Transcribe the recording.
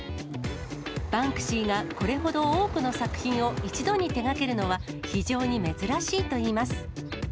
バンクシーがこれほど多くの作品を一度に手がけるのは、非常に珍しいといいます。